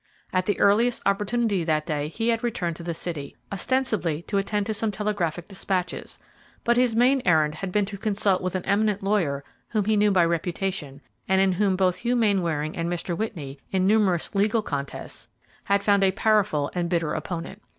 At the earliest opportunity that day he had returned to the city, ostensibly, to attend to some telegraphic despatches, but his main errand had been to consult with an eminent lawyer whom he knew by reputation, and in whom both Hugh Mainwaring and Mr. Whitney, in numerous legal contests, had found a powerful and bitter opponent.